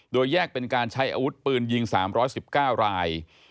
โดยแยกเป็นการใช้อาวุธปืนยิง๓๑๙ราย